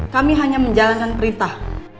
kami hanya menjalankan perintah